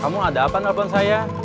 kamu ada apa nervon saya